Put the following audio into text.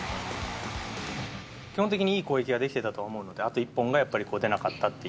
基本的に、いい攻撃ができてたと思うので、あと一本が出なかったっていう。